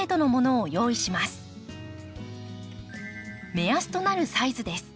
目安となるサイズです。